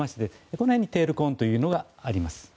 この辺にテールコーンというのがあります。